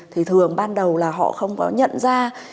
thì thường ban đầu là họ không có nhận ra